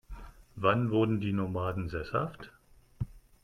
Wann wurden die Nomaden sesshaft?